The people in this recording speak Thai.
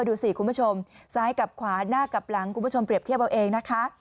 ดูสิคุณผู้ชมซ้ายกับขวาหน้ากับหลังคุณผู้ชมเปรียบเทียบเอาเองนะคะ